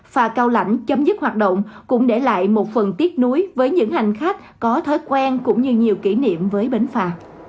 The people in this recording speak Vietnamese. phà cao lãnh chấm dứt hoạt động cũng để lại một phần tiếc nuối với những hành khách có thói quen cũng như nhiều kỷ niệm với bến phà